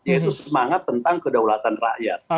yaitu semangat tentang kedaulatan rakyat